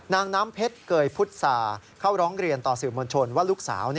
นางน้ำเพชรเกยพุษาเข้าร้องเรียนต่อสื่อมวลชนว่าลูกสาว